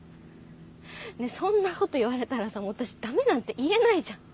そんなこと言われたらさ私ダメなんて言えないじゃん。